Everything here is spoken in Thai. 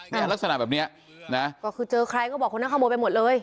ลักษณะแบบเนี้ยนะก็คือเจอใครก็บอกคนนั้นขโมยไปหมดเลย